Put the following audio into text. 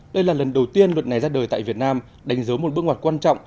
đây là lần đầu tiên luật này ra đời tại việt nam đánh dấu một bước ngoặt quan trọng